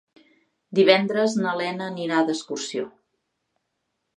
Divendres na Lena anirà d'excursió.